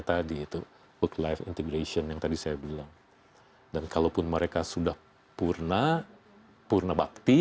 tadi itu work life integration yang tadi saya bilang dan kalaupun mereka sudah purna purna bakti